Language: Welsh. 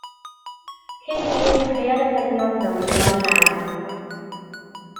Cyn hir dechreuodd y dynion ddylifo i mewn.